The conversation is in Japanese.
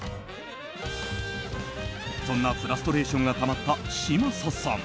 そんなフラストレーションがたまった嶋佐さん。